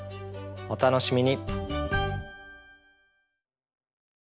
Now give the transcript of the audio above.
お楽しみに。